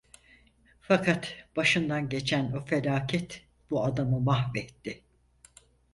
Fakat, başından geçen o felaket bu adamı mahvetti.